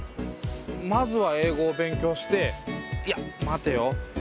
まずは英語を勉強していや待てよ。